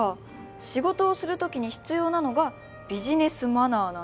仕事をするときに必要なのがビジネスマナーなんだ。